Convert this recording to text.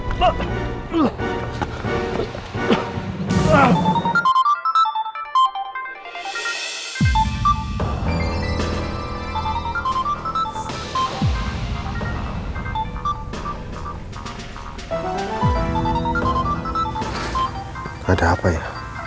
tidak ada apa ya